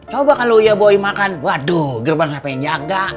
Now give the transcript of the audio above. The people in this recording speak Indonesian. coba kalau uya boyi makan waduh gerban apa yang jaga